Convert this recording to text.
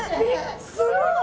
すごい！